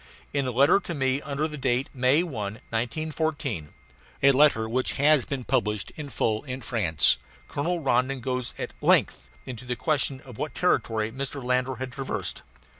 In a letter to me under date of May 1, 1914 a letter which has been published in full in France Colonel Rondon goes at length into the question of what territory Mr. Landor had traversed.